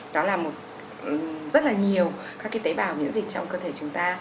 đó là một rất là nhiều các tế bào miễn dịch trong cơ thể chúng ta